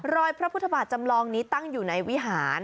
พระพุทธบาทจำลองนี้ตั้งอยู่ในวิหาร